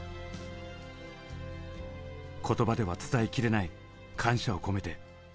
言葉では伝えきれない感謝を込めて。